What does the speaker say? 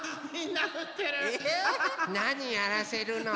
なにやらせるの。